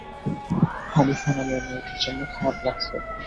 হানিফা নামের মেয়েটির জন্যে খারাপ লাগছে।